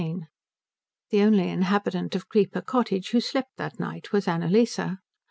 XX The only inhabitant of Creeper Cottage who slept that night was Annalise.